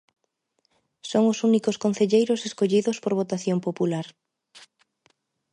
Son os únicos concelleiros escollidos por votación popular.